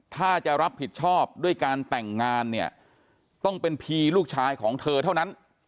ถ้าจะรับผิดชอบด้วยการแต่งงานเนี่ยต้องเป็นพีลูกชายของเธอเท่านั้น